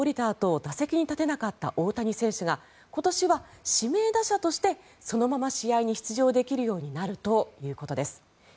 あと打席に立てなかった大谷選手が今年は指名打者としてそのまま試合に出場できるようになるということです。